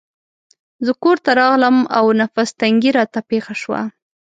زه کورته راغلم او نفس تنګي راته پېښه شوه.